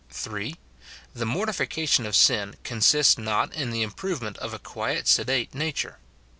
(3.) The mortification of sin consists not in the im provement of a quiet, sedate nature.